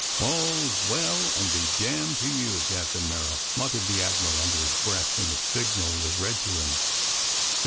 "All well, and be damned to you, Captain Merrill!" muttered the Admiral under his breath, when the signal was read to him.